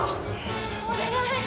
お願い！